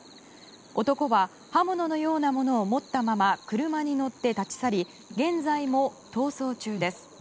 男は刃物のようなものを持ったまま車に乗って立ち去り現在も逃走中です。